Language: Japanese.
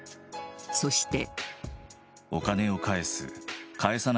そして。